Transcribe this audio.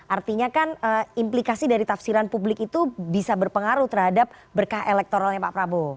artinya kan implikasi dari tafsiran publik itu bisa berpengaruh terhadap berkah elektoralnya pak prabowo